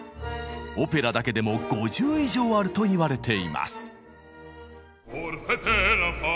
オペラだけでも５０以上あるといわれています。